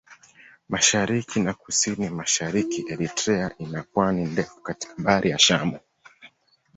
Mashariki na Kusini-Mashariki Eritrea ina pwani ndefu katika Bahari ya Shamu.